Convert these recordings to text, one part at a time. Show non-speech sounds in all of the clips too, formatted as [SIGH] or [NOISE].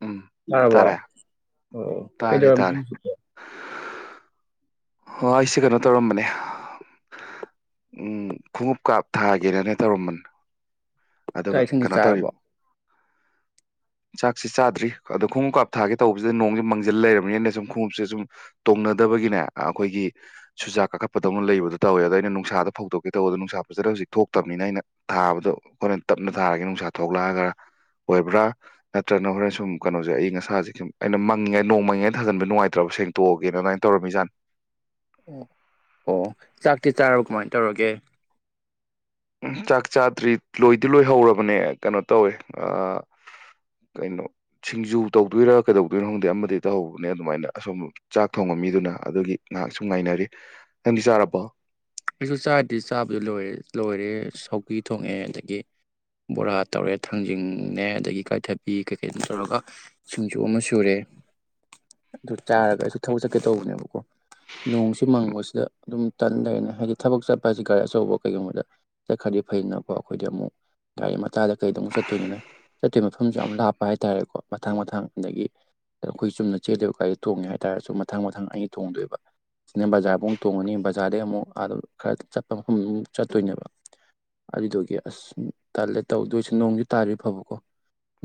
ꯎꯝ ꯇꯔꯕꯣ ꯇꯥꯔꯦ ꯑꯣ ꯇꯥꯔꯦ ꯀꯩꯗꯧꯔꯝꯃꯤꯅꯣ ꯇꯥꯔꯦ ꯍꯧꯖꯤꯛꯄꯨ ꯑꯩꯁꯦ ꯀꯩꯅꯣ ꯇꯧꯔꯝꯕꯅꯦ ꯎꯝ ꯈꯣꯡꯎꯞ ꯀꯥꯞ ꯊꯥꯒꯦꯅꯅꯦ ꯇꯧꯔꯝꯕꯅꯤ ꯑꯗꯨꯒ ꯆꯥꯛ ꯏꯁꯤꯡꯗꯤ ꯀꯩꯅꯣ ꯆꯥꯔꯕꯣ ꯇꯧꯔꯤꯕ ꯆꯥꯛꯁꯤ ꯆꯥꯗ꯭ꯔꯤ ꯑꯗꯣ ꯈꯣꯡꯎꯞ ꯀꯥꯞꯊꯥꯒꯦ ꯇꯧꯕꯁꯤꯗ ꯅꯣꯡꯁꯦ ꯃꯪꯖꯤꯜ ꯂꯩꯔꯝꯃꯦꯅ ꯁꯨꯝ ꯈꯣꯡꯎꯞꯁꯦ ꯁꯨꯝ ꯇꯣꯡꯅꯗꯕꯒꯤꯅꯦ ꯑꯩꯈꯣꯏꯒꯤ ꯁꯨꯖꯥ ꯀꯥꯈꯠꯄꯗꯧꯅ ꯂꯩꯕꯗꯣ ꯇꯧꯋꯦ ꯑꯗꯣ ꯑꯩꯅ ꯅꯨꯡꯁꯥꯗ ꯐꯧꯗꯣꯛꯀꯦ ꯇꯧꯕ ꯑꯗꯣ ꯅꯨꯡꯁꯥ ꯐꯖꯅ ꯍꯧꯖꯤꯛ ꯊꯣꯛꯇꯕꯅꯤꯅ ꯑꯩꯅ ꯊꯥꯕꯗꯣ ꯍꯣꯔꯦꯟ ꯇꯞꯅ ꯊꯥꯔꯒꯦ ꯅꯨꯡꯁꯥ ꯊꯣꯛꯂꯛꯑꯒ ꯑꯣꯏꯕ꯭ꯔꯥ ꯅꯠꯇ꯭ꯔꯒꯅ ꯍꯣꯔꯦꯟ ꯁꯨꯝ ꯀꯩꯅꯣꯁꯦ ꯑꯌꯤꯡ ꯑꯁꯥꯁꯦ ꯁꯨꯝ ꯑꯩꯅ ꯃꯪꯉꯤꯉꯩ ꯅꯣꯡ ꯃꯪꯉꯤꯉꯩ ꯊꯥꯖꯟꯕ ꯅꯨꯡꯉꯥꯏꯇ꯭ꯔꯕ ꯁꯦꯡꯇꯣꯛꯑꯒꯦꯅ ꯑꯗꯨꯃꯥꯏꯅ ꯇꯧꯔꯝꯃꯤꯖꯥꯠꯅꯤ ꯑꯣ ꯑꯣ ꯆꯥꯛꯇꯤ ꯆꯥꯔꯕꯣ ꯀꯃꯥꯏꯅ ꯇꯧꯔꯒꯦ ꯎꯝ ꯆꯥꯛ ꯆꯥꯗ꯭ꯔꯤ ꯂꯣꯏꯗꯤ ꯂꯣꯏꯍꯧꯔꯕꯅꯦ ꯀꯩꯅꯣ ꯇꯧꯋꯦ ꯀꯩꯅꯣ ꯁꯤꯡꯖꯨ ꯇꯧꯗꯣꯏꯔꯥ ꯀꯩꯗꯧꯗꯣꯏꯅꫭ ꯈꯪꯗꯦ ꯑꯃꯗꯒꯤ ꯇꯧꯍꯧꯕꯅꯦ ꯑꯗꯨꯃꯥꯏꯅ ꯑꯁꯣꯝ ꯆꯥꯛ ꯊꯣꯡꯕꯃꯤꯗꯨꯅ ꯑꯗꯨꯒꯤ ꯉꯥꯏꯍꯥꯛꯁꯨ ꯉꯥꯏꯅꯔꯤ ꯅꯪꯗꯤ ꯆꯥꯔꯕꯣ ꯑꯩꯁꯨ ꯆꯥꯔꯗꯤ ꯆꯥꯛꯄꯨꯗꯤ ꯂꯣꯏꯔꯦ ꯂꯣꯏꯔꯦ ꯁꯧꯒꯤ ꯊꯣꯡꯉꯑꯦ ꯑꯗꯒꯤ ꯕꯣꯔꯥ ꯇꯧꯔꯦ ꯊꯥꯡꯖꯤꯡꯅꯦ ꯑꯗꯒꯤ ꯏꯀꯥꯏꯊꯕꯤ ꯀꯩꯀꯩꯅꫭ ꯇꯧꯔꯒ ꯁꯤꯡꯖꯨ ꯑꯃ ꯁꯨꯔꯦ ꯑꯗꯨ ꯆꯥꯔꯒ ꯑꯩꯁꯨ ꯊꯕꯛ ꯆꯠꯀꯦ ꯇꯧꯕꯅꯦꯕꯀꯣ ꯅꯣꯡꯁꯨ ꯃꯪꯕꯁꯤꯗ ꯑꯗꯨꯝ ꯇꯟ ꯂꯩꯔꯦ ꯑꯗꫭ ꯊꯕꯛ ꯆꯠꯄ ꯍꯥꯏꯁꯤ ꯒꯥꯔꯤ ꯑꯆꯧꯕ ꯀꯩꯒꯨꯝꯕꯗ ꯆꯠꯈ꯭ꯔꯗꯤ ꯐꯩꯗꯅꯀꯣ ꯑꯩꯈꯣꯏꯗꯤ ꯑꯃꯨꯛ ꯒꯥꯔꯤ ꯃꯇꯥꯗ ꯀꯩꯗ ꯑꯃꯨꯛ ꯆꯠꯇꯣꯏꯅꯤꯅ ꯆꯠꯇꯣꯏ ꯃꯐꯝꯁꯨ ꯌꯥꯝ ꯂꯥꯞꯄ ꯍꯥꯏꯇꯥꯔꯦꯀꯣ ꯃꯊꯥꯡ ꯃꯊꯥꯡ ꯑꯗꯒꯤ ꯑꯩꯈꯣꯏ ꯆꯨꯝꯅ ꯆꯦꯜꯂꯤꯕ ꯒꯥꯔꯤ ꯇꯣꯡꯒꯦ ꯍꯥꯏꯇꯥꯔꯁꯨ ꯃꯊꯥꯡ ꯃꯊꯥꯡ ꯑꯅꯤ ꯇꯣꯡꯗꯣꯏꯕ ꯁꯤꯅ ꯕꯖꯥꫪꯕꯨꯛ ꯑꯃꯨꯛ ꯇꫭꯡꯉꯅꯤ ꯕꯖꯥꯔꯗꯩ ꯑꯃꯨꯛ ꯑꯗꯨ ꯈꯔ ꯆꯠꯄ ꯃꯐꯝ ꯃꯨꯛ ꯆꯠꯇꯣꯏꯅꯦꯕ ꯑꯗꯨꯗꯨꯒꯤ ꯑꯁ ꯇꯜꯂꯦ ꯇꯧꯗꯣꯏꯁꯦ ꯅꯣꯡꯁꯨ ꯇꯥꯗ꯭ꯔꯗꯤ ꯐꯕꯀꯣ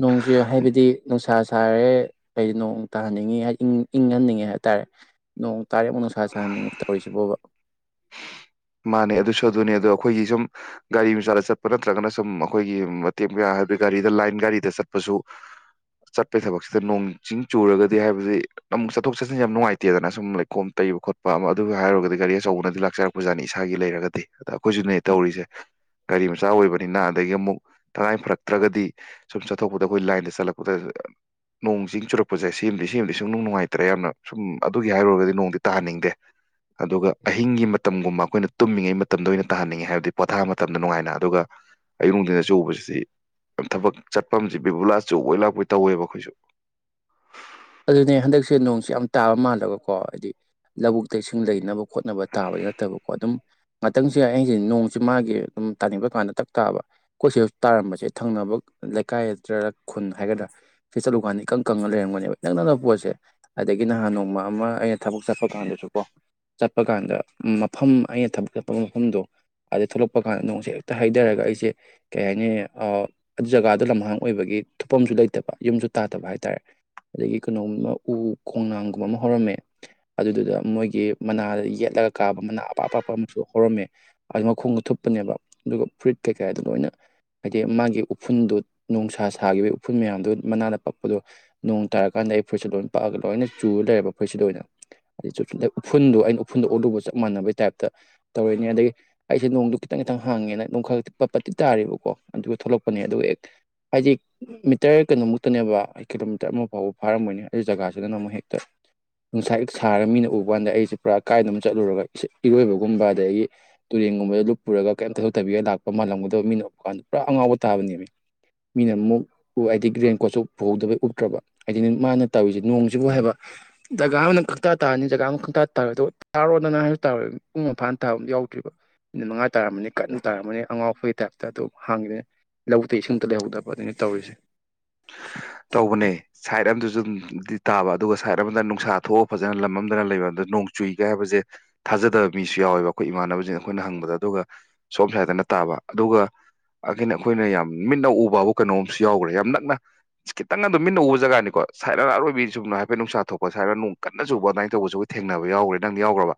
ꯅꯣꯡꯁꯦ ꯍꯥꯏꯕꯗꯤ ꯅꯨꯡꯁꯥ ꯁꯥꯔꯦ ꯍꯥꯏꯗꯤ ꯅꯣꯡ ꯇꯥꯍꯟꯅꯤꯡꯉꯤ ꯍꯥꯏꯗꯤ ꯏꯪꯍꯟꯅꯤꯡꯉꯤ ꯍꯥꯏ ꯇꯔꯦ ꯅꯣꯡ ꯇꯥꯔꯦ ꯑꯃꯨꯛ ꯅꯨꯡꯁꯥ ꯁꯥꯍꯟꯅꯤꯡꯉꯤ ꯇꯧꯔꯤꯁꯤꯕꯣꯕ ꯃꯥꯅꯦ ꯑꯗꯨꯁꯨ ꯑꯗꯨꯅꯦ ꯑꯗꯣ ꯑꯩꯈꯣꯏꯒꯤ ꯁꯨꯝ ꯒꯥꯔꯤ ꯃꯆꯥꯗ ꯆꯠꯄ ꯅꯠꯇ꯭ꯔꯒꯅ ꯁꯨꯝ ꯑꯩꯈꯣꯏꯒꯤ ꯃꯇꯦꯛ ꯃꯌꯥ ꯍꯥꯏꯗꯤ ꯒꯥꯔꯤꯗ ꯂꯥꯏꯟ ꯒꯥꯔꯤꯗ ꯆꯠꯄꯁꯨ ꯆꯠꯄꯩ ꯊꯕꯛꯁꯤꯗ ꯅꯣꯡ ꯆꯤꯡ ꯆꯨꯔꯒꯗꯤ ꯍꯥꯏꯕꯗꯤ ꯑꯃꯨꯛ ꯆꯠꯊꯣꯛ ꯆꯠꯁꯤꯟꯖꯦ ꯌꯥꯝ ꯅꯨꯡꯉꯥꯏꯇꯦꯗꯅ ꯁꯨꯝ ꯂꯩꯈꯣꯝ ꯇꯩꯕ ꯈꯣꯠꯄ ꯑꯃ ꯑꯗꯨꯒꯤ ꯍꯥꯏꯔꯨꯔꯒꯗꯤ ꯒꯥꯔꯤ ꯑꯆꯧꯕꯅꯗꯤ ꯂꯥꯛꯆꯔꯛꯄ ꯕꯨꯖꯥꯅꯤ ꯏꯁꯥꯒꯤ ꯂꯩꯔꯒꯗꯤ ꯑꯗ ꯑꯩꯈꯣꯏꯁꯨꯅꯦ ꯇꯧꯔꯤꯁꯦ ꯒꯥꯔꯤ ꯃꯆꯥ ꯑꯣꯏꯕꯅꯤꯅ ꯑꯗꯒꯤ ꯑꯃꯨꯛ ꯇꯉꯥꯏ ꯐꯔꯛꯇ꯭ꯔꯒꯗꯤ ꯁꯨꯝ ꯆꯠꯊꯣꯛꯄꯗ ꯑꯩꯈꯣꯏ ꯂꯥꯏꯟꯗ ꯆꯠꯂꯛꯄꯗ ꯅꯣꯡ ꯆꯤꯡ ꯆꯨꯔꯛꯄꯁꯦ ꯁꯤꯃꯗꯤ ꯁꯦꯝꯃꯗꯤ ꯁꯨꯡꯅꯨꯡ ꯅꯨꯡꯉꯥꯏꯇ꯭ꯔꯦ ꯌꯥꯝꯅ ꯁꯨꯝ ꯑꯗꯨꯒꯤ ꯍꯥꯏꯔꯨꯔꯒꯗꯤ ꯅꯣꯡꯗꯤ ꯇꯥꯍꯟꯅꯤꯡꯗꯦ ꯑꯗꯨꯒ ꯑꯍꯤꯡꯒꯤ ꯃꯠ ꯃꯇꯝꯒꯨꯝꯕ ꯑꯩꯈꯣꯏꯅ ꯇꯨꯝꯃꯤꯉꯩ ꯃꯇꯝꯗ ꯑꯣꯏꯅ ꯇꯥꯍꯟꯅꯤꯡꯉꯤ ꯍꯥꯏꯕꯗꯤ ꯄꯣꯊꯥ ꯃꯇꯝꯗ ꯅꯨꯡꯉꯥꯏꯅ ꯑꯗꯨꯒ ꯑꯌꯨꯛ ꯅꯨꯡꯊꯤꯟꯗ ꯆꯨꯕꯁꯤꯗꯤ ꯊꯕꯛ ꯆꯠꯄꯝꯁꯤ ꯕꯤꯕꯨꯂꯥ ꯆꯨꯕꯣꯏ ꯂꯥꯛꯄꯣꯏ ꯇꯧꯋꯦꯕ ꯑꯩꯈꯣꯏꯁꯨ ꯑꯗꯨꯅꯦ ꯍꯟꯗꯛꯁꯦ ꯅꯣꯡꯁꯦ ꯌꯥꯝ ꯇꯥꯕ ꯃꯥꯜꯂꯒꯀꯣ ꯍꯥꯏꯗꯤ ꯂꯧꯕꯨꯛꯇ ꯏꯁꯤꯡ ꯂꯩꯅꯕ ꯍꯣꯠꯅꯕ ꯇꯥꯕꯗꯤ ꯅꯠꯇꯕꯀꯣ ꯑꯗꯨꯝ ꯉꯥꯛꯇꯁꯦ [UNINTELLIGIBLE] ꯅꯣꯡꯁꯤ ꯃꯥꯒꯤ ꯑꯗꯨꯝ ꯇꯥꯅꯤꯡꯕ ꯀꯥꯟꯗ ꯇꯛ ꯇꯥꯕ ꯑꯩꯈꯣꯏ ꯁꯤꯁꯨ ꯇꯥꯔꯝꯕꯁꯦ ꯊꯪꯅꯕ ꯂꯩꯀꯥꯏꯗ꯭ꯔꯥ ꯈꯨꯟ ꯍꯥꯏꯒꯗ꯭ꯔꯥ ꯁꯤ ꯆꯠꯂꯨꯀꯥꯟꯗ ꯏꯀꯪ ꯀꯪꯉ ꯂꯩꯔꯝꯒꯅꯦꯕ ꯏꯅꯛ ꯅꯛꯅꯕ ꯄꯣꯠꯁꯦ ꯑꯗꯒꯤ ꯅꯍꯥꯟ ꯅꯣꯡꯃ ꯑꯃ ꯑꯩꯅ ꯊꯕꯛ ꯆꯠꯄ ꯀꯥꯟꯗꯁꯨꯀꯣ ꯆꯠꯄ ꯀꯥꯟꯗ ꯃꯐꯝ ꯑꯩꯅ ꯊꯕꯛ ꯆꯠꯄ ꯃꯐꯝꯗꯣ ꯑꯗꯩ ꯊꯣꯛꯂꯛꯄ ꯀꯥꯟꯗ ꯅꯣꯡꯁꯦ ꯍꯦꯛꯇ ꯍꯩꯊꯔꯒ ꯑꯩꯁꯦ ꯀꯩ ꯍꯥꯏꯅꯤ ꯑ ꯖꯒꯥꯗꯨ ꯂꯝꯍꯥꯡ ꯑꯣꯏꯕꯒꯤ ꯊꯨꯞꯐꯝꯁꯨ ꯂꯩꯇꯕ ꯌꯨꯝꯁꯨ ꯇꯥꯗꯕ ꯍꯥꯏꯇꯥꯔꯦ ꯑꯗꯒꯤ ꯀꯩꯅꯣꯒꯨꯝꯕ ꯎ ꯈꯣꯡꯅꯥꯡꯒꯨꯝꯕ ꯑꯃ ꯍꯧꯔꯝꯃꯦ ꯑꯗꯨꯗꯨꯗ ꯃꯣꯏꯒꯤ ꯃꯅꯥꯗ ꯌꯦꯠꯂꯒ ꯀꯥꯕ ꯃꯅꯥ ꯑꯄꯥꯛꯞ ꯑꯄꯥꯛꯄ ꯑꯃꯁꯨ ꯍꯧꯔꯝꯃꯦ ꯑꯗꯨ ꯃꯈꯣꯡꯗꯣ ꯊꯨꯞꯄꯅꯦꯕ ꯑꯗꯨꯒ ꯐꯨꯔꯤꯏꯠ ꯀꯩꯀꯥꯗꯣ ꯂꯣꯏꯅ ꯍꯥꯏꯗꯤ ꯃꯥꯒꯤ ꯎꯐꯨꯟꯗꯨ ꯅꯨꯡꯁꯥ ꯁꯥꯈꯤꯕꯒꯤ ꯎꯐꯨꯜ ꯃꯌꯥꯝꯗꯣ ꯃꯅꯥꯗ ꯄꯛꯄꯗꯣ ꯅꯣꯡ ꯇꯥꯔꯀꯥꯟꯗ ꯑꯩ ꯐꯨꯔꯤꯠꯁꯤ ꯂꯣꯏꯅ ꯄꯥꯛꯑꯒ ꯂꯣꯏꯅ ꯆꯨ ꯂꯩꯔꯦꯕ ꯐꯨꯔꯤꯠꯁꯤꯗ ꯑꯣꯏꯅ [UNINTELLIGIBLE] ꯎꯐꯨꯜꯗꯣ ꯑꯩꯅ ꯎꯐꯨꯜꯗ ꯑꯣꯜꯂꯨꯕ ꯆꯞ ꯃꯥꯟꯅꯕꯩ ꯇꯥꯏꯞꯇ ꯇꯧꯔꯅꯦ ꯑꯗꯩ ꯑꯩꯁꯦ ꯅꯣꯡꯗꯣ ꯈꯤꯇꯪ ꯈꯤꯇꯪ ꯍꯥꯡꯉꯦꯅ ꯅꯣꯡ ꯈꯔ ꯒꯛ ꯄꯠ ꯄꯠ ꯇꯤ ꯇꯥꯦꯔꯤꯕꯀꯣ ꯑꯗꯨꯒ ꯊꯣꯛꯂꯛꯄꯅꯦ ꯑꯗꯨꯒ ꯑꯦ ꯍꯥꯏꯗꯤ ꯃꯤꯇꫪ ꯀꯩꯅꯣꯃꯨꯛꯇꯅꯦꯕ ꯀꯤꯂꫭ ꯇꫪ ꯑꯃ ꯐꯥꯎꯕ ꯐꯥꯔꯝꯒꯅꯤꯅꯦ ꯑꯗꯨ ꯖꯒꯥꯁꯤꯗꯅ ꯑꯃꯨꯛ ꯍꯦꯛꯇ ꯅꯨꯡꯁꯥ ꯍꯦꯛꯇ ꯁꯥꯔꯒ ꯃꯤꯅ ꯎꯕ ꯀꯥꯟꯗ ꯑꯩꯁꯦ ꯄꯨꯔꯥ ꯀꯥꯏꯗꯅꫭꯝꯒ ꯆꯠꯂꯨꯔꯒ ꯏꯔꯣꯏꯕꯒꯨꯝꯕ ꯑꯗꯒꯤ ꯇꯨꯔꯦꯟꯒꯨꯝꯕꯗ ꯂꯨꯞꯄꯔꯒ ꯀꯔꯤꯝ ꯇꯩꯊꫭꯛꯇꯕꯤꯒ ꯂꯥꯛꯄ ꯃꯥꯜꯂꯝꯒꯗꯕ ꯃꯤꯅ ꯎꯕ ꯀꯥꯟꯗ ꯄꯨꯔꯥ ꯑꯉꯥꯎꯕ ꯇꯥꯕꯅꯦꯃꯤ ꯃꯤꯅꯃꯨꯛ ꯎ ꯑꯩꯗꯤ ꯔꯦꯟ ꯀꯣꯠꯁꯨ ꯄꯨꯍꯧꯗꯕꯩ ꯎꯞ ꯇ꯭ꯔꯕ ꯍꯥꯏꯗꯤꯅꯦ ꯃꯥꯅ ꯇꯧꯔꯤꯁꯦ ꯅꯣꯡꯁꯤꯕꯨ ꯍꯥꯏꯕ ꯖꯒꯥ ꯑꯃꯅ ꯈꯪꯇꯥ ꯇꯥꯔꯅꯤ ꯖꯒꯥ ꯑꯃ ꯈꯪꯇꯥ ꯇꯥꯔꯣꯏ ꯇꯥꯔꯣꯗꯅ ꯍꯥꯏꯁꯨ ꯇꯥꯔꫭꯏ ꯄꯨꯡ ꯑꯃ ꯐꯥꯅ ꯇꯥꯕ ꯑꯃ ꯌꯥꯎꯗ꯭ꯔꯤꯕ ꯃꯤꯅꯤꯠ ꯃꯉꯥ ꯇꯥꯔꯝꯃꯅꯤ ꯀꯟꯅ ꯇꯥꯔꯝꯃꯅꯤ ꯑꯉꯥꯎꯕꯒꯤ ꯇꯥꯏꯞꯇ ꯑꯗꯨꯝ ꯍꯥꯡꯉꯗꯅ ꯂꯧ ꯇ ꯏꯁꯨꯡꯇ ꯂꯩꯍꯧꯗꯕ ꯑꯗꯨꯩꯅ ꯇꯧꯔꯤꯁꯦ ꯇꯧꯕꯅꯦ ꯁꯥꯏꯠ ꯑꯗꯁꯨ ꯑꯗꯨꯝꯗꯤ ꯇꯥꯕ ꯑꯗꯨꯒ ꯁꯥꯏꯠ ꯑꯃꯗ ꯅꯨꯡꯁꯥ ꯊꯣꯛꯑꯒ ꯐꯖꯅ ꯂꯝ ꯑꯃꯝꯗꯅ ꯂꯩꯕ ꯑꯗ ꯅꯣꯡ ꯆꯨꯏꯒ ꯍꯥꯏꯕꯁꯦ ꯊꯥꯖꯗꯕ ꯃꯤꯁꯨ ꯌꯥꯎꯋꯦꯕ ꯑꯩꯈꯣꯏ ꯏꯃꯥꯟꯅꯕꯁꯤꯡ ꯑꯩꯈꯣꯏꯅ ꯍꯪꯕꯗ ꯑꯗꯨꯒ ꯁꯣꯝ ꯁꯥꯏꯠꯇꯅ ꯇꯥꯕ ꯑꯗꯨꯒ ꯑꯒꯤꯅ ꯑꯩꯈꯣꯏꯅ ꯌꯥꯝ ꯃꯤꯠꯅ ꯎꯕꯥꯕꯨ ꯀꯩꯅꯣꯝꯁꯨ ꯌꯥꯎꯒ꯭ꯔꯦ ꯌꯥꯝ ꯅꯛꯅ ꯈꯤꯇꯪ ꯑꯗꯨꯝ ꯃꯤꯠꯟꯅ ꯎꯕ ꯖꯒꯥꯅꯤꯀꯣ ꯁꯥꯏꯠ ꯑꯃ ꯑꯔꯣꯏꯕꯤ ꯆꯨꯝꯅ ꯍꯥꯏꯐꯦꯠ ꯅꯨꯡꯁꯥ ꯊꯣꯛꯄ ꯁ꯭ꯋꯥꯏꯅ ꯅꯨꯡ ꯀꯟꯅ ꯆꯨꯕ ꯑꯗꯨꯃꯥꯏꯅ ꯇꯧꯕꯁꯨ ꯑꯩꯈꯣꯏ ꯊꯦꯡꯅꯕ ꯌꯥꯎꯈ꯭ꯔꯦ ꯅꯪꯗꯤ ꯌꯥꯎ꯭ꯔꯕ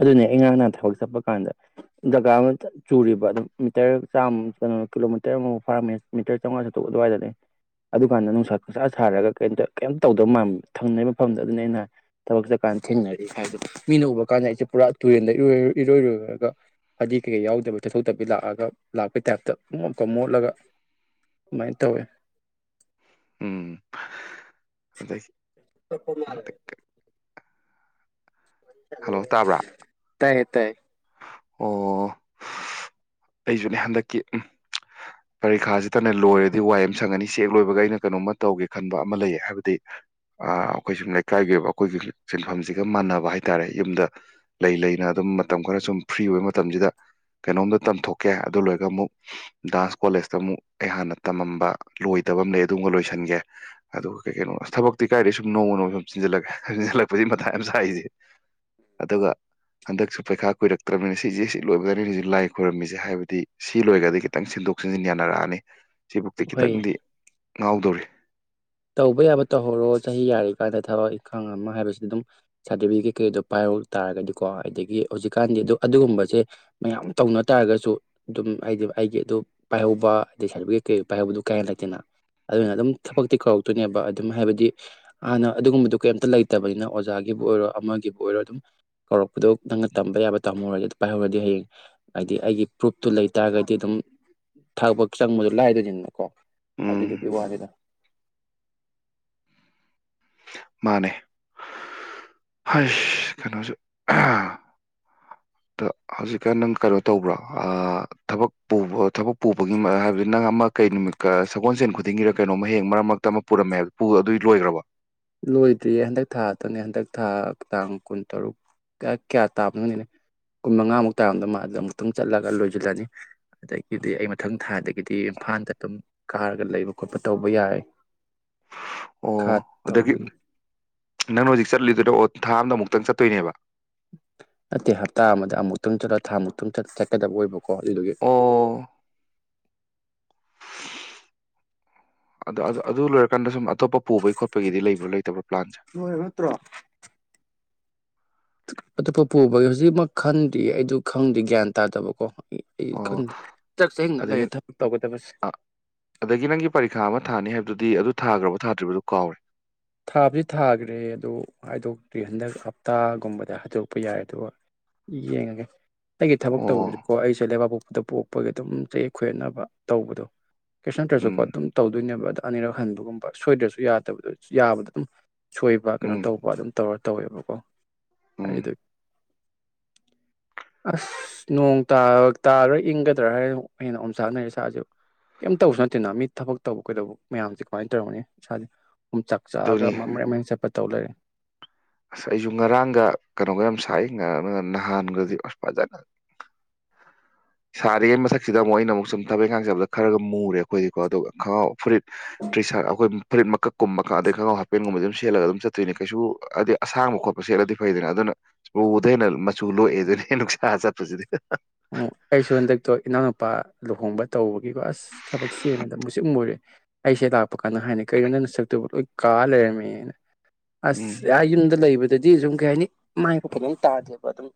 ꯑꯗꯨꯅꯦ ꯑꯩ ꯉꯔꯥꯡ ꯅꯍꯥꯟ ꯊꯕꯛ ꯆꯠꯄ ꯀꯥꯟꯗ ꯖꯒꯥ ꯑꯃ ꯆꯨꯔꯤꯕ ꯑꯗꯨꯝ ꯃꯤꯇꯔ ꯆꯥꯝꯃ ꯀꯩꯅꯣ ꯀꯤꯂꯣꯃꯤꯇꫪ ꯑꯃꯃꯨꯛ ꯐꯥꯔꯝꯚꯌꯥꯏ ꯃꯤꯇꫪ ꯆꯧꯉꯥ ꯆꯥꯇꯨꯛ ꯑꯗꯨꯋꯥꯏꯗꯅꯦ ꯑꯗꯨꯀꯥꯟꯗ ꯅꯨꯡꯁꯥ ꯄꯨꯁꯥ ꯁꯥꯔꯒ ꯀꯩꯝꯇ ꯀꯩꯝꯇ ꯇꯧꯗꯕ ꯃꯥꯟꯕ ꯊꯪꯅꯩ ꯃꯐꯝꯗꫭ ꯑꯗꯨꯅꯦ ꯑꯩꯅ ꯊꯕꯛ ꯆꯠꯀꯥꯟꯗ ꯊꯦꯡꯅꯔꯤ ꯍꯥꯏꯗꯤ ꯃꯤꯅ ꯀꯥꯟꯗ ꯑꯩꯁꯦ ꯄꯨꯔꯥ ꯇꯨꯔꯦꯟꯗ ꯏꯔꯣꯏ ꯏꯔꯣꯏꯔꯨꯔꯒ ꯐꯗꯤ ꯀꯩꯀꯩ ꯌꯥꯎꯗꯕꯤ ꯇꯩꯊꯣꯛ ꯇꯕꯤ ꯂꯥꯛꯑꯒ ꯂꯥꯛꯄꯩ ꯇꯥꯏꯞꯇ ꯏꯃꫭꯠꯀ ꯃꯣꯠꯂꯒ ꯑꯗꯨꯃꯥꯏꯅ ꯇꯧꯋꯦ ꯎꯝ [UNINTELLIGIBLE] ꯍꯜꯂꯣ ꯇꯥꯕ꯭ꯔꯥ ꯇꯥꯏꯌꯦ ꯇꯥꯏꯌꯦ ꯑꯣ ꯑꯩꯁꯨꯅꯦ ꯍꯟꯗꯛꯀꯤ ꯎꯝ ꯄꯔꯤꯈꯥꯁꯤꯇꯅꯦ ꯂꯣꯏꯔꯗꯤ ꯋꯥꯏ ꯑꯃ ꯁꯪꯉꯅꯤ ꯁꯤ ꯆꯦꯛ ꯂꯣꯏꯕꯒ ꯑꯩꯅ ꯀꯩꯅꯣꯝꯃ ꯇꯧꯒꯦ ꯈꯟꯕ ꯑꯃ ꯂꯩꯌꯦ ꯍꯥꯏꯕꯗꯤ ꯑꯩꯈꯣꯏ ꯁꯨꯝ ꯂꯩꯀꯥꯏꯒꯤ ꯑꯣꯏꯕ ꯑꯩꯈꯣꯏꯒꯤ ꯁꯤꯟꯐꯝꯁꯤꯒ ꯃꯥꯟꯅꯕ ꯍꯥꯏ ꯇꯥꯔꯦ ꯌꯨꯝꯗ ꯂꯩ ꯂꯩꯅ ꯑꯗꯨꯝ ꯃꯇꯝ ꯈꯔ ꯁꯨꯝ ꯐ꯭ꯔꯤ ꯑꯣꯏꯕ ꯃꯇꯝꯁꯤꯗ ꯀꯩꯅꯣꯝꯗ ꯇꯝꯊꯣꯛꯀꯦ ꯑꯗꯨ ꯂꯣꯏꯔꯒ ꯑꯃꯨꯛ ꯗꯥꯟꯁ ꯀꯣꯂꯦꯖꯇ ꯑꯃꯨꯛ ꯑꯩ ꯍꯥꯟꯅ ꯇꯝꯃꯝꯕ ꯂꯣꯏꯗꯕ ꯑꯃ ꯂꯩ ꯑꯗꯨꯃꯒ ꯂꯣꯏꯁꯤꯟꯒꯦ ꯑꯗꯨꯒ ꯀꯩ ꯀꯩꯅꯣ ꯊꯕꯛꯇꯤ ꯀꯥꯏꯗꯩ ꯁꯨꯝ ꯅꯣꯡꯃ ꯅꯣꯡꯃ ꯁꯨꯝ ꯆꯤꯟꯖꯜꯂꯛꯀꯦ ꯆꯤꯟꯁꯤꯜꯂꯛꯄꯁꯤ ꯃꯇꯥꯏ ꯌꯥꯝ ꯁꯥꯏꯁꯦ ꯑꯗꯨꯒ ꯍꯟꯗꯛꯁꯨ ꯄꯩꯈꯥ ꯀꯨꯏꯔꯛꯇ꯭ꯔꯅꯤꯅ ꯁꯤꯁꯦ ꯁꯤ ꯂꯣꯏꯕꯒꯅꯤ ꯍꯧꯖꯤꯛ ꯂꯥꯏ ꯈꯣꯏꯔꯝꯃꯤꯁꯦ ꯍꯥꯏꯕꯗꯤ ꯁꯤ ꯂꯣꯏꯔꯒꯗꯤ ꯈꯤꯇꯪ ꯁꯤꯟꯗꯣꯛ ꯁꯤꯟꯖꯤꯟ ꯌꯥꯅꯔꯛꯑꯅꯤ ꯁꯤꯕꯨꯛꯇꯤ ꯍꯣꯏ ꯈꯤꯇꯪꯗꯤ ꯉꯥꯎꯗꯣꯔꯤ ꯇꯧꯕ ꯌꯥꯕ ꯇꯧꯍꯧꯔꯣ ꯆꯍꯤ ꯌꯥꯔꯤꯀꯥꯟꯗ ꯊꯕꯛ ꯏꯪꯈꯥꯡ ꯑꯃ ꯍꯥꯏꯕꯁꯤ ꯑꯗꯨꯝ ꯁꯥꫪꯇꯤꯐꯤꯀꯦꯠ ꯀꯩꯗꯣ ꯄꯥꯏꯍꯧ ꯇꯥꯔꯒꯗꯤꯀꯣ ꯑꯗꯨꯒꯤ ꯍꯧꯖꯤꯛꯀꯥꯟꯗꯤ ꯑꯗꯨ ꯑꯗꯨꯒꯨꯝꯕꯁꯦ ꯃꯌꯥꯝ ꯇꯧꯅ ꯇꯥꯔꯒꯁꯨ ꯑꯗꯨꯝ ꯍꯥꯏꯗꯤ ꯑꯩꯒꯤ ꯑꯗꯨ ꯄꯥꯏꯍꯧꯕ ꯍꯥꯏꯗꯤ ꯁꯥꯔꯇꯤꯐꯤꯀꯦꯠ ꯀꯩꯗ ꯄꯥꯏꯍꯧꯕꯗꯨ ꯀꯌꯥ ꯂꯩꯇꯦꯅ ꯑꯗꯨꯅ ꯑꯗꯨꯝ ꯊꯕꯛꯇꯤ ꯀꯧꯔ꯫ ꯇꯨꯅꯦꯕ ꯑꯗꯨꯝ ꯍꯥꯏꯕꯗꯤ ꯍꯥꯟꯅ ꯑꯗꯨꯒꯨꯝꯕꯗꯨ ꯀꯩꯝꯇ ꯂꯩꯇꯕꯅꯤꯅ ꯑꯣꯖꯥꯒꯤꯕꯨ ꯑꯣꯏꯔꯣ ꯑꯃꯒꯤꯕꯨ ꯑꯣꯏꯔꯣ ꯀꯧꯔꯛꯄꯗꯣ ꯅꯪꯅ ꯇꯝꯕ ꯌꯥꯕ ꯇꯝꯍꯧꯔꯗꯤ ꯄꯥꯏꯍꯧꯔꯗꯤ ꯍꯌꯦꯡ ꯍꯥꯏꯗꯤ ꯑꯩꯒꯤ ꯄ꯭ꯔꯨꯐꯇꯨ ꯂꯩ ꯇꯥꯔꯒꯗꯤ ꯑꯗꯨꯝ ꯊꯕꯠ ꯆꯪꯕꯗ ꯂꯥꯏꯗꯣꯏꯅꯦꯕꯀꯣ ꯎꯝ ꯑꯗꯨꯗꯨꯒꯤ ꯋꯥꯅꯤꯗ ꯃꯥꯅꯦ ꯑꯁ ꯀꯩꯅꯣꯁꯦ ꯍꯧꯖꯤꯛꯀꯥꯟ ꯅꯪ ꯀꯩꯅꯣ ꯇꯧꯕ꯭ꯔꯣ ꯊꯕꯛ ꯄꯨꯕ꯭ꯔꫭ ꯊꯕꯛ ꯄꯨꯕꯒꯤ ꯍꯥꯏꯕꯗꯤ ꯅꯪ ꯑꯃ ꯀꯩ ꯅꯨꯃꯤꯠ ꯀ ꯁꯒꯣꯜꯁꯦꯟ ꯈꯨꯗꯤꯡꯒꯤꯔ ꯀꯩꯅꯣꯝꯃ ꯍꯍꯦꯛ ꯃꯔꯛ ꯃꯔꯛꯇ ꯑꯃ ꯄꯨꯔꯝꯃꯦ ꯍꯥꯏꯕ ꯑꯗꯨꯏ ꯂꯣꯏꯒ꯭ꯔꯕꫭ ꯂꯣꯏꯗ꯭ꯔꯤꯌꯦ ꯍꯟꯗꯛ ꯊꯥꯗꯪꯅꯦ ꯍꯟꯗꯛ ꯊꯥ ꯇꯥꯡ ꯀꯨꯟ ꯇꯔꯨꯛ ꯀꯌꯥ ꯇꯥꯕꯅꯣꯈꯪꯗꯦꯅꯦ ꯀꯨꯟ ꯃꯉꯥꯃꯨꯛ ꯇꯥꯔꯝꯗꯧ ꯃꯥꯜꯂꯦ ꯑꯃꯨꯛꯇꯪ ꯆꯠꯂꯒ ꯂꯣꯏꯁꯤꯜꯂꯅꯤ ꯑꯗꯒꯤꯗꯤ ꯑꯩ ꯃꯊꯪ ꯊꯥꯗꯒꯤꯗꯤ ꯏꯝꯐꯥꯜꯗ ꯑꯗꯨꯝ ꯀꯥꯔꯒ ꯂꯩꯕ ꯈꯣꯠꯄ ꯇꯧꯕ ꯌꯥꯔꯅꯤ ꯑꯣ ꯑꯗꯒꯤ ꯅꯪꯅ ꯍꯧꯖꯤꯛ ꯆꯠꯂꯤꯗꯨꯅ ꯑꯣ ꯊꯥ ꯑꯝꯗ ꯑꯃꯨꯛꯇꯪ ꯆꯠꯇꯣꯏꯅꯦꯕ ꯅꯠꯇꯦ ꯍꯞꯇꯥ ꯑꯃꯗ ꯑꯃꯨꯛꯇꯪ ꯆꯠꯂ ꯊꯥꯃꯨꯛꯇꯪꯠ ꯆꯠꯀꯗꯕ ꯑꯣꯏꯕꯣ ꯀꯣ ꯑꯗꯨꯗꯨꯒꯤ ꯑꯣ ꯑꯗ ꯑꯗꯨ ꯂꯣꯏꯔꯛꯄ ꯀꯟꯗ ꯁꯨꯝ ꯑꯇꯣꯞꯄ ꯄꯨꯕꯩ ꯈꯣꯠꯄꯒꯤꯗꯤ ꯂꯩꯕ꯭ꯔꯥ ꯂꯩꯇꯕ꯭ꯔꯥ ꯄ꯭ꯂꯥꯟꯁꯦ ꯂꯣꯏꯔꯕ ꯅꯠꯇ꯭ꯔꯣ ꯑꯇꯣꯞꯄ ꯄꯣ ꯕꯥꯏꯑꯣꯖꯤꯠ ꯑꯃꯥ ꯈꯟꯗꯤꯌꯦ ꯑꯩꯗꯣ ꯈꯪꯗꯦ ꯑꯩꯗꯨ ꯈꯪꯗꯦ ꯒ꯭ꯌꯥꯟ ꯇꯥꯗꯕꯀꯣ ꯑꯩ ꯑꯩ ꯑꯣ ꯈꯪꯗꯦ ꯆꯥꯛ ꯆꯍꯤꯡꯅ ꯑꯗꯒꯤ ꯂꯩꯔꯦ ꯊꯕꯛ ꯇꯧꯒꯗꯕꯁꯦ ꯑ ꯑꯗꯒꯤ ꯅꯪꯒꯤ ꯄꯔꯤꯈꯥ ꯑꯃ ꯊꯥꯅꯤ ꯍꯥꯏꯕꯗꯨꯗꯤ ꯑꯗꯨ ꯊꯥꯈ꯭ꯔꯕ ꯊꯥꯗ꯭ꯔꯤꯕꯗꯨ ꯀꯥꯎꯔꯦ ꯊꯥꯗꯤ ꯊꯥꯈ꯭ꯔꯦ ꯑꯗꯨ ꯍꯥꯏꯗꯣꯛꯇ꯭ꯔꯤ ꯍꯟꯗꯛ ꯍꯞꯇꯥꯒꯨꯝꯕꯗ ꯍꯥꯏꯗꯣꯛꯄ ꯌꯥꯏ ꯑꯗꯨꯒ ꯌꯦꯡꯉꯒꯦ ꯑꯩꯒꯤ ꯊꯕꯛ ꯑꯣ ꯇꯧꯕꯁꯦꯀꯣ ꯑꯩꯁꯦ ꯂꯩꯕꯥꯛꯄꯣꯛ ꯑꯗ ꯄꯣꯛꯄꯒꯤ ꯑꯗꯨꯝ ꯆꯌꯦꯠ ꯈꯣꯏꯌꯦꯠꯅꯕ ꯇꯧꯕꯗꯣ ꯀꯩꯁꯟꯅꯇ꯭ꯔꯁꯨꯀꯣ ꯎꯝ ꯑꯗꯨꯝ ꯇꯧꯗꯣꯏꯅꯦꯕ ꯑꯗꯥ ꯑꯅꯤꯔꯛ ꯍꯟꯕꯒꯨꯝꯕ ꯁꯣꯏꯗ꯭ꯔꯁꯨ ꯌꯥꯗꯕꯗꯣ ꯌꯥꯕꯗ ꯎꯝ ꯁꯣꯏꯕ ꯀꯩꯅꯣ ꯎꯝ ꯇꯧꯕ ꯑꯗꯨꯝ ꯇꯧꯔ ꯇꯧꯋꯦꯕꯀꯣ ꯎꯝ ꯍꯥꯏꯗꯤ ꯑꯁ ꯅꯣꯡ ꯇꯥꯔꯥ ꯏꯪꯒꯗ꯭ꯔꯥ ꯍꯥꯏꯔ ꯑꯩꯅ ꯑꯣꯝꯆꯥꯛꯅꯔꯦ ꯏꯁꯥꯁꯦ ꯀꯩꯝꯇ ꯇꯁꯨ ꯅꯠꯇꯦꯅ ꯃꯤ ꯊꯕꯛ ꯇꯧꯕ ꯀꯩꯗꯧꯕ ꯃꯌꯥꯝꯁꯦ ꯀꯃꯥꯏꯅ ꯇꯧꯔꯒꯅꯤ ꯏꯁꯥꯁꯦ ꯆꯥꯛ ꯆꯥꯛꯔꯒ ꯑꯗꯨꯅꯤ ꯃꯥ ꯃꯔꯦꯡ ꯃꯔꯦꯡ ꯆꯠꯄꯗꯣ ꯇꯧ ꯂꯩꯔꯦ ꯑꯁ ꯑꯩꯁꯨ ꯉꯔꯥꯡꯒ ꯀꯩꯅꯣꯒ ꯌꯥꯝ ꯁꯥꯏ ꯉꯥ ꯅꯍꯥꯟꯒꯗꯤ ꯑꯁ ꯐꯖꯅ ꯁꯥꯔꯤꯉꯩ ꯃꯊꯛꯁꯤꯗ ꯑꯃꯨꯛ ꯑꯩꯅ ꯑꯃꯨꯛ ꯁꯨꯝ ꯊꯕꯛꯏꯪꯈꯥꯡ ꯆꯠꯕꯗ ꯈꯔꯒ ꯃꯨꯔꯦ ꯑꯩꯈꯣꯏꯗꯤꯀꯣ ꯑꯗꯨꯒ ꯈꯉꯥꯎ ꯐꯨꯔꯤꯠ ꯇ꯭ꯔꯤꯁ ꯑꯩꯈꯣꯏ ꯐꯨꯔꯤꯠ ꯃꯀꯛꯀꯨꯝꯕ ꯑꯗꯩ ꯈꯪꯒꯥꯎ ꯍꯥꯞꯄꯦꯟꯒꯨꯝꯕꯗꯤ ꯑꯗꯨꯝ ꯁꯦꯠꯂꯒ ꯑꯗꯨꯝ ꯆꯠꯇꯣꯏꯅꯦ ꯀꯩꯁꯨ ꯑꯁꯥꯡꯕ ꯈꯣꯠꯄ ꯁꯦꯠꯂꯗꯤ ꯐꯩꯗꯅ ꯑꯗꯨꯅꯨ ꯎꯨꯗꯩ ꯍꯦꯟꯅ ꯃꯆꯨ ꯂꯣꯛꯑꯦ ꯑꯗꯨꯅꯦ ꯅꯨꯡꯁꯥ ꯆꯠꯄꯁꯤꯗꯤ ꯍꯥ ꯍꯥ ꯑꯣ ꯑꯩꯁꯨ ꯍꯟꯗꯛꯇꯣ ꯏꯅꯥꯎꯅꯨꯄꯥ ꯂꯨꯍꯣꯡꯕ ꯇꯧꯕ ꯑꯁ ꯊꯕꯛ ꯆꯦꯟꯕꯗ ꯃꯨꯁꯤꯟ ꯃꯨꯔꯦ ꯑꯩꯁꯦ ꯂꯥꯛꯄ ꯀꯥꯟꯗ ꯍꯥꯏꯅ ꯀꯩꯅꯣ ꯅꯪ ꯅꯁꯛꯇꯨꯕꯨ ꯂꯣꯏ ꯀꯥ ꯂꯩꯔꯝꯃꯦꯅ ꯑꯁ ꯎꯝ ꯑ ꯌꯨꯝꯗ ꯂꯩꯕ ꯑꯗꯨꯗꯤ ꯁꯨꯝ ꯀꯩ ꯍꯥꯏꯅꯤ ꯃꯥꯏꯐꯥꯎ ꯐꯖꯟꯅ ꯇꯥꯗꯦꯕ ꯑꯗꯨꯝ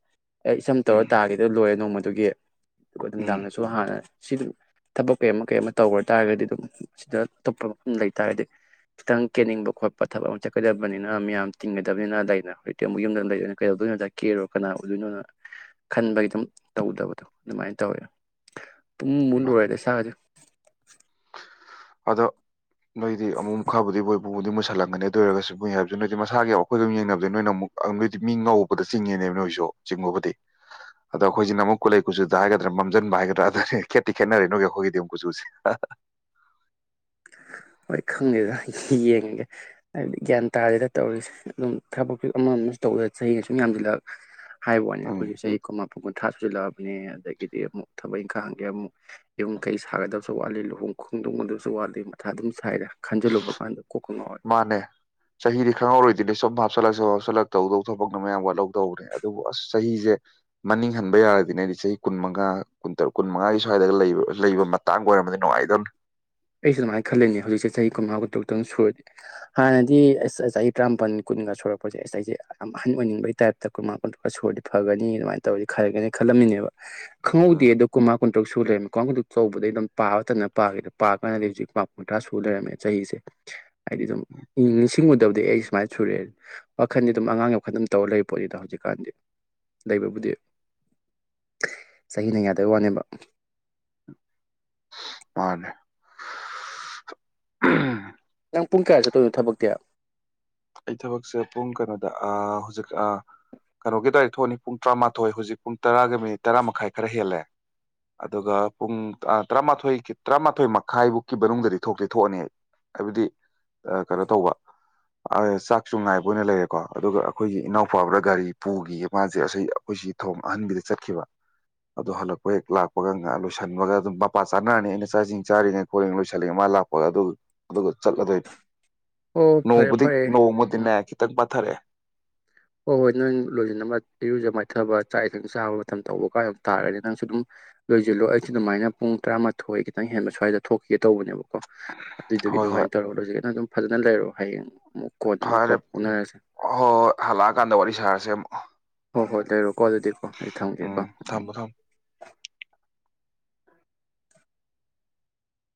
ꯑꯩ ꯏꯁꯝ ꯎꯝ ꯇꯥꯒꯤꯕꯗꯨꯅ ꯂꯣꯏꯔꯦ ꯅꯣꯡꯃꯒꯤ ꯑꯗꯨꯒꯤ ꯑꯗꯨꯒ ꯎꯝ ꯅꯨꯡꯗꯥꯡꯗꯁꯨ ꯍꯥꯟꯅ ꯁꯤ ꯗꯨ ꯊꯕꯛ ꯀꯩ ꯑꯃ ꯀꯩ ꯑꯃ ꯇꯧꯔ ꯇꯥꯔꯒꯗꯤ ꯑꯗꯨꯝ ꯁꯤꯗ ꯑꯇꯣꯞꯄ ꯃꯐꯝ ꯂꯩꯇꯥꯥꯔꯗꯤ ꯈꯤꯇꯪ ꯀꯦꯟꯅꯤꯡꯕ ꯈꯣꯠꯄ ꯊꯕꯛ ꯑꯃ ꯆꯠꯀꯗꯕꯅꯤꯅ ꯃꯤꯌꯥꯝ ꯇꯤꯟꯒꯗꯕꯅꯤꯅ ꯂꯩꯅ ꯍꯧꯖꯤꯛꯇꯤ ꯑꯃꯨꯛ ꯌꯨꯝꯗ ꯂꯩꯗꯣꯏꯅ ꯀꯩꯗꯧꯗꯣꯏꯅꯣꯗ ꯀꯦꯔꯥ ꯀꯅꯥ ꯎꯗꯣꯏꯅꯣꯅ ꯈꯟꯕꯒꯤ ꯑꯗꯨꯝ ꯇꯧꯗꯕꯗꯣ ꯑꯗꯨꯃꯥꯏꯅ ꯇꯧꯋꯦ ꯄꯨꯡꯃꯨ ꯃꯨ ꯃꯥꯅꯦ ꯂꯣꯏꯔꯦ ꯏꯁꯥꯒꯖꯦ ꯑꯗꯣ ꯃꯣꯏꯗꯤ ꯑꯉꯣꯝ ꯈꯥꯕꯗꯤ ꯑꯣꯏꯕ ꯃꯨꯗꯤ ꯃꯨꯁꯜꯂꯝꯒꯅꯤ ꯑꯗꯨ ꯑꯣꯏꯔꯒꯁꯨ ꯃꯨꯏ ꯍꯥꯏꯕꯁꯨ ꯅꯣꯏꯗꯤ ꯃꯁꯥꯒꯤ ꯑꯩꯈꯣꯏꯒ ꯗꯨꯝ ꯌꯦꯡꯅꯕꯗ ꯅꯣꯏꯅ ꯑꯃꯨꯛ ꯅꯣꯏꯗꯤ ꯃꯤ ꯉꯧꯕꯕꯗ ꯆꯤꯡꯉꯦꯃꯦ ꯅꯣꯏꯁꯨ ꯆꯤꯡꯕꯕꯨꯗꯤ ꯑꯗ ꯑꯩꯈꯣꯏꯁꯤꯅ ꯑꯃꯨꯛ ꯀꯠꯂꯩ ꯀꯨꯆꯨꯗ ꯍꯥꯏꯒꯗ꯭ꯔꯥ ꯃꯝꯁꯤꯟꯕ ꯍꯥꯏꯒꯗ꯭ꯔꯥ ꯑꯗꯅꯦ ꯈꯦꯠꯇꯤ ꯈꯦꯠꯅꯔꯦ ꯅꯣꯏꯒꯤ ꯑꯩꯈꯣꯏꯒꯤꯗꯤ ꯑꯃꯛ ꯀꯨꯆꯨꯁꯦ ꯍꯥ ꯍꯥ ꯍꯣꯏ ꯈꯪꯗꯦꯗ ꯌꯦꯡꯉꯒꯦ ꯍꯥꯏꯕꯗꯤ ꯒ꯭ꯌꯥꯟ ꯇꯥꯗꯦꯗ ꯇꯧꯔꯤꯁꯦ ꯑꯗꯨꯝ ꯊꯕꯛꯁꯨ ꯑꯃ ꯑꯃ ꯇꯧꯗ ꯆꯍꯤꯅ ꯁꯨꯝ ꯌꯥꯝꯁꯤꯜꯂꯛ ꯍꯥꯏꯕ ꯋꯥꯅꯤ ꯎꯝ ꯑꯩꯈꯣꯏꯁꯨ ꯆꯍꯤ ꯀꯨꯅ ꯃꯥꯄꯟ ꯃꯊꯥ ꯁꯥꯖꯤꯜꯂ ꯂꯛꯑꯕꯅꯦ ꯑꯗꯒꯤꯗꯤ ꯑꯃꯨꯛ ꯊꯕꯛ ꯏꯪꯈꯥꯡꯒꯤ ꯑꯃꯨꯛ ꯌꯨꯝ ꯀꯩ ꯁꯥꯒꯗꯕꯁꯨ ꯋꯥꯠꯂꯤ ꯂꯨꯍꯣꯡ ꯈꯣꯡꯗꯣꯡꯒꯗꯕꯁꯨ ꯋꯥꯠꯂꯤ ꯃꯊ ꯑꯗꯨꯝ ꯁꯥꯏꯗ ꯈꯟꯖꯜꯂꯨꯕ ꯀꯥꯟꯗ ꯀꯣꯛꯀ ꯉꯥꯎꯋꯦ ꯃꯥꯅꯦ ꯆꯍꯤꯗꯤ ꯈꯪꯍꯧꯔꯣꯏꯗꯨꯏꯅꯦ ꯁꯣꯝ ꯍꯥꯞ ꯁꯨꯝ ꯍꯥꯞꯆꯤꯜꯂꯛ ꯍꯥꯞꯆꯜꯂꯛꯇ ꯇꯧꯗꯧ ꯊꯕꯛꯅ ꯃꯌꯥꯝ ꯋꯥꯠꯍꯧ ꯇꯧꯕꯅꯦ ꯑꯗꯨꯕꯨ ꯑꯁ ꯆꯍꯤꯁꯦ ꯃꯅꯤꯡ ꯍꯟꯕ ꯌꯥꯔꯗꯤꯅꯦꯗꯤ ꯆꯍꯤ ꯀꯨꯟꯃꯉꯥ ꯀꯨꯟꯇꯔꯨꯛ ꯀꯨꯟꯃꯉꯥꯒꯤ ꯁ꯭ꯋꯥꯏꯗꯒ ꯂꯩ ꯂꯩꯕ ꯃꯇꯥꯡ ꯑꯣꯏꯔꯝꯃꯗꯤ ꯅꯨꯡꯉꯥꯏꯗꯧꯅꯤ꯫ ꯑꯩꯁꯨ ꯑꯗꯨꯃꯥꯏꯅ ꯈꯜꯂꯅꯤ ꯍꯧꯖꯤꯛꯁꯦ ꯆꯍꯤ ꯀꯨꯟꯃꯉꯥ ꯀꯨꯟꯇꯔꯨꯛꯇꯪ ꯁꯨꯔꯗꯤ ꯍꯥꯟꯅꯗꯤ ꯑꯁ ꯆꯍꯤ ꯇ꯭ꯔꯥꯝꯄꯜ ꯀꯨꯟꯒ ꯁꯨꯔꯛꯄꯁꯦ ꯑꯁ ꯑꯩꯁꯦ ꯌꯥꯝ ꯑꯍꯟ ꯑꯣꯏꯅꯤꯡꯕꯒꯤ ꯇꯥꯏꯞꯇ ꯀꯨꯟꯃꯉꯥ ꯀꯟꯔꯨꯛꯀ ꯁꯨꯔꯗꯤ ꯐꯒꯅꯤ ꯑꯗꯨꯃꯥꯏꯅ ꯇꯧꯔꯗꯤ ꯈꯔꯒꯅꯤꯅ ꯈꯜꯂꯝꯃꯤꯅꯦꯕ꯫ ꯎꯝ ꯈꯪꯍꯧꯗꯦꯗꯣ ꯀꯣ ꯃꯥ ꯀꯨꯟ ꯗꯨꯛ ꯁꯨꯨꯔꯔꯝ ꯀ꯭ꯋꯥꯡ ꯈꯨꯗꯛꯇꯩꯕꯗꯩ ꯑꯗꯨꯝ ꯄꯥꯕ ꯇꯟꯗꯅ ꯄꯥꯈꯤꯗꯕ꯫ ꯄꯥꯀꯥꯟꯗꯗꯤ ꯍꯧꯖꯤꯛ ꯄ ꯀꯨꯟꯊ꯭ꯔꯥ ꯁꯨ ꯂꯩꯔꯝꯃꯦ ꯆꯍꯤꯁꯦ ꯍꯥꯏꯗꯤ ꯑꯗꯨꯝ ꯅꯤꯡꯁꯤꯡꯉꯨꯗꯕꯗꯤ ꯑꯩ ꯁꯨꯃꯥꯏꯅ ꯁꯨꯔꯛꯑꯦ ꯋꯥꯈꯟꯗꯤ ꯑꯗꯨꯝ ꯑꯉꯥꯡꯒꯤ ꯋꯥꯈꯜ ꯑꯗꯨꯝ ꯇꯧꯔ ꯂꯩꯔꯤ ꯄꯣꯠꯅꯤꯗ ꯍꯧꯖꯤꯛꯀꯥꯟꯗꯤ ꯂꯩꯕꯕꯨꯗꯤ ꯆꯍꯤꯅ ꯌꯥꯗꯋꯥꯅꯦꯕ꯫ ꯃꯥꯅꯦ ꯅꯪ ꯄꯨꯡ ꯀꯌꯥ ꯆꯠꯇꯣꯏꯅꯣ ꯊꯕꯛꯇꯤ꯫ ꯑꯩ ꯊꯕꯛꯁꯦ ꯄꯨꯡ ꯀꯩꯅꯣꯗ ꯑꯥ ꯍꯧꯖꯤꯛ ꯑꯥ ꯀꯩꯅꯣꯒꯤ ꯗꯥꯏ ꯊꯣꯛꯑꯅꯤ ꯄꯨꯡ ꯇꯔꯥꯃꯥꯊꯣꯏ ꯍꯧꯖꯤꯛ ꯄꯨꯡ ꯇꯔꯥꯒ ꯃꯤꯅꯤꯠ ꯇꯔꯥꯃꯥꯈꯥꯏ ꯈꯔ ꯍꯦꯜꯂꯦ ꯑꯗꯨꯒ ꯄꯨꯡ ꯑꯥ ꯇꯔꯥꯃꯥꯊꯣꯏꯒꯤ ꯇꯔꯥꯃꯥꯊꯣꯏ ꯃꯈꯥꯏ ꯕꯨꯛꯀꯤ ꯃꯅꯨꯡꯗꯗꯤ ꯊꯣꯛꯇꯤ ꯊꯣꯛꯑꯅꯤ ꯍꯥꯏꯕꯗꯤ ꯑꯥ ꯀꯩꯅꯣ ꯇꯧꯕ ꯑꯥ ꯆꯥꯛꯁꯨ ꯉꯥꯏꯕ ꯑꯣꯏꯅ ꯂꯩꯔꯦꯀꯣ ꯑꯗꯨꯒ ꯑꯈꯣꯏꯒꯤ ꯏꯅꯥꯎꯄꯥ ꯑꯃꯅ ꯒꯥꯔꯤ ꯄꯨꯒꯤꯌꯦ ꯃꯥꯖꯦ ꯑꯁꯤ ꯑꯩꯈꯣꯏ ꯁꯤ ꯊꯣꯡ ꯑꯍꯟꯕꯨꯗ ꯆꯠꯈꯤꯕ ꯑꯗꯨ ꯍꯜꯂꯛꯄ ꯍꯦꯛ ꯂꯥꯛꯄꯒ ꯉꯥ ꯂꯣꯏꯁꯤꯟꯕꯒ ꯑꯗꯨꯝ ꯃꯄꯥ ꯆꯥꯅꯔꯅꯤ ꯑꯩꯅ ꯆꯥꯛ ꯏꯁꯤꯡ ꯆꯥꯔꯤꯉꯩ ꯈꯣꯠꯂꯤꯉꯩ ꯂꯣꯏꯁꯤꯜꯂꯤꯉꯩ ꯃꯥ ꯂꯥꯛꯄꯒ ꯑꯗꯨ- ꯑꯗꯨꯒ ꯆꯠꯂꯗꯣꯏ ꯑꯣ ꯐꯥꯔꯦ ꯐꯥꯔꯦ ꯅꯣꯡꯃꯗꯤꯅꯦ ꯈꯤꯇꯪ ꯄꯥꯊꯥꯔꯛꯑꯦ ꯍꯣꯏ-ꯍꯣꯏ ꯅꯪ ꯂꯣꯏꯖꯤꯟꯅꯕ ꯏꯔꯨꯖꯥ ꯃꯥꯏꯊꯕ ꯆꯥꯛ ꯏꯁꯤꯡ ꯆꯥꯕ ꯃꯇꯝ ꯇꯧꯕ ꯀꯥꯏ ꯇꯥꯔꯒꯗꯤ ꯅꯪꯁꯨ ꯗꯨꯝ ꯂꯣꯏꯖꯤꯜꯂꯣ ꯑꯩꯁꯨ ꯑꯗꯨꯃꯥꯏꯅ ꯄꯨꯡ ꯇꯔꯥꯃꯥꯊꯣꯏ ꯈꯤꯇꯪ ꯍꯦꯟꯕ ꯁ꯭ꯋꯥꯏꯗ ꯊꯣꯛꯈꯤꯒꯦ ꯇꯧꯕꯅꯦꯕ ꯀꯣ ꯍꯣꯏ ꯍꯣꯏ ꯑꯗꯨꯏꯗꯨꯒꯤ-ꯑꯗꯨꯃꯥꯏꯅ ꯇꯧꯔꯒ ꯂꯣꯏꯖꯤꯜꯂꯖꯦꯅ ꯑꯗꯨꯝ ꯐꯖꯥꯅ ꯂꯩꯔꯣ ꯍꯌꯦꯡ ꯑꯃꯨꯛ ꯀꯣꯟꯅ ꯑꯃꯨꯛ ꯄꯥꯎ ꯐꯥꯔꯦꯝ ꯐꯥꯎꯅꯔꯁꯦ ꯍꯣ ꯍꯜꯂꯛ ꯀꯥꯟꯗ ꯋꯥꯔꯤ ꯁꯔꯥꯁꯦ ꯑꯃꯨꯛ ꯍꯣ ꯍꯣꯏ ꯂꯩꯔꯣꯛ ꯀꯣ ꯑꯗꯨꯗꯤꯀꯣ ꯑꯩ ꯊꯝꯒꯦꯀꯣ ꯎꯝ ꯊꯝꯃꯣ ꯊꯝꯃꯣ